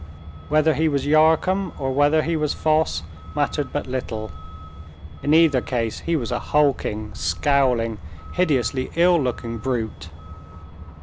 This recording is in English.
Whether he was Yarcombe or whether he was Foss, mattered but little. In either case he was a hulking, scowling, hideously ill looking brute.